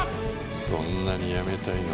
「そんなに辞めたいのか」